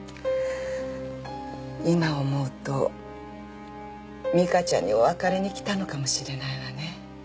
今思うと美香ちゃんにお別れに来たのかもしれないわね。